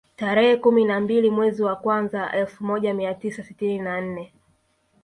Tarehe kumi na mbili mwezi wa kwanza elfu moja mia tisa sitini na nne